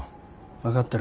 分かってる。